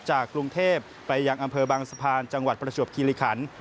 จากกรุงเทพไปยังอำเภอบางสะพานจังหวัดประจวบคิริขัน